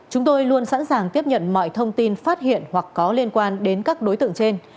chúng tôi luôn sẵn sàng tiếp nhận mọi thông tin phát hiện hoặc có liên quan đến các đối tượng trên